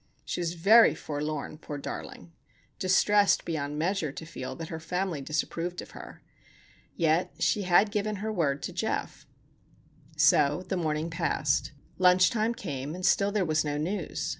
She was very forlorn, poor darling;—distressed beyond measure to feel that her family disapproved of her. Yet she had given her word to Geof. So the morning passed. Lunch time came, and still there was no news.